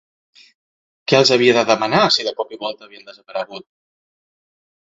Què els havia de demanar si de cop i volta havien desaparegut?